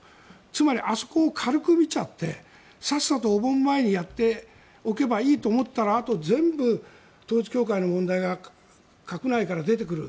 つまりあそこを軽く見ちゃってさっさとお盆前にやっておけばいいと思ったらあと全部、統一教会の問題が閣内から出てくる。